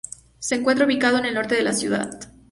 Se encuentra ubicado en el norte de la ciudad.